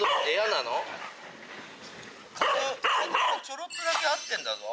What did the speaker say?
ちょろっとだけ会ってんだぞ。